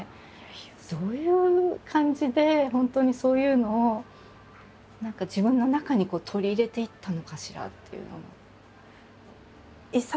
どういう感じで本当にそういうのを何か自分の中に取り入れていったのかしらっていうのも。